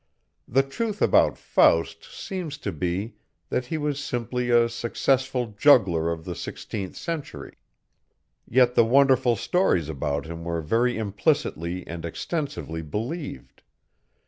The truth about Faust seems to be, that he was simply a successful juggler of the sixteenth century. Yet the wonderful stories about him were very implicitly and extensively believed.